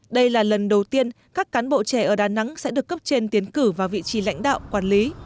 đây là lần đầu tiên các cán bộ trẻ ở đà nẵng sẽ được cấp trên tiến cử vào vị trí lãnh đạo quản lý